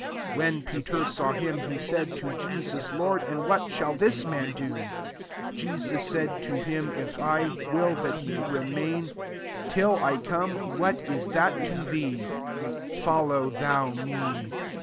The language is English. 21 When Peter saw him, he said to Jesus, "Lord, and what ^hall this man cfo^" 22 Jesus said to him, " If I will that he re main till I come; what 1% that to thee? Follow thou me.''